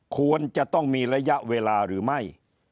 ควรจะต้องมีระยะเวลาหรือไม่